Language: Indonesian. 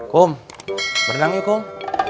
kum berenang yuk kum